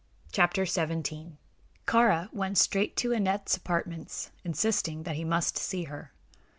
ANETH SURRENDERS. Kāra went straight to Aneth's apartments, insisting that he must see her.